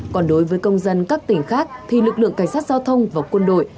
còn đối với công dân các tỉnh khác thì lực lượng cảnh sát giao thông và quân đội